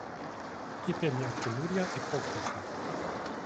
είπε με καινούρια υπόκλιση.